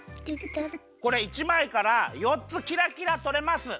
これ１まいから４つキラキラとれます。